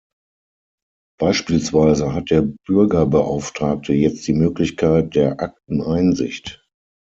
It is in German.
Beispielsweise hat der Bürgerbeauftragte jetzt die Möglichkeit der Akteneinsicht.